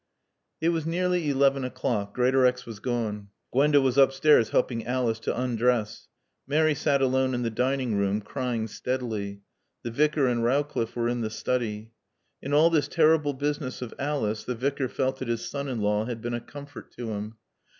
It was nearly eleven o'clock. Greatorex was gone. Gwenda was upstairs helping Alice to undress. Mary sat alone in the dining room, crying steadily. The Vicar and Rowcliffe were in the study. In all this terrible business of Alice, the Vicar felt that his son in law had been a comfort to him.